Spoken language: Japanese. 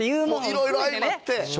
いろいろ相まって。